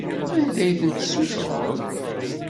Anda ay ten-tessutreḍ?